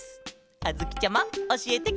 あづきちゃまおしえてケロ。